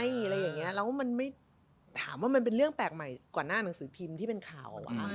อะไรอย่างเงี้ยแล้วมันไม่ถามว่ามันเป็นเรื่องแปลกใหม่กว่าหน้าหนังสือพิมพ์ที่เป็นข่าว